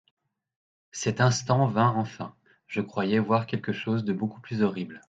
Cet instant vint enfin : je croyais voir quelque chose de beaucoup plus horrible.